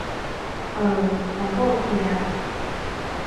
เออ มันก็โอเคนะ